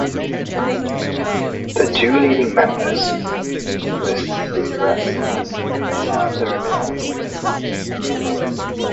The two leading members were Critias and Theramenes.